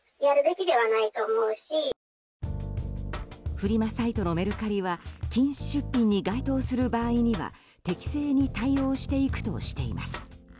フリマサイトのメルカリは禁止出品に該当する場合には適正に対応していくとしています。